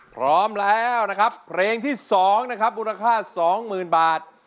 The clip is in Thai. พร้อมแล้วนะครับเพลงที่สองนะครับมูลค่าสองหมื่นบาท